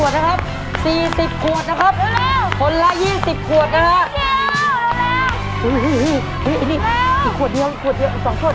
อุ้ยอันนี้อีกขวดเดียว๒ขวดลูก